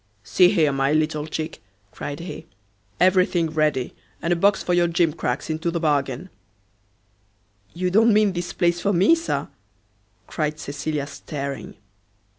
"See here, my little chick," cried he, "everything ready! and a box for your gimcracks into the bargain." "You don't mean this place for me, Sir!" cried Cecilia, staring.